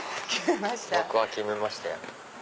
僕は決めましたよ。